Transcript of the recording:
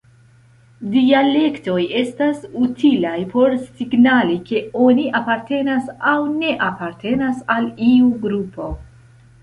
Dialektoj estas utilaj por signali ke oni apartenas aŭ ne apartenas al iu grupo.